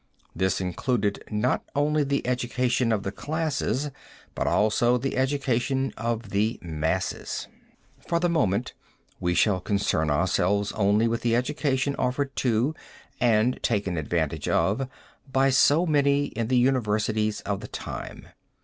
This included, not only the education of the classes but also the education of the masses. For the moment, we shall concern ourselves only with the education offered to, and taken advantage of by so many, in the universities of the time.